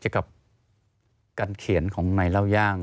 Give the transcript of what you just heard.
กับการเขียนของนายเล่าย่าง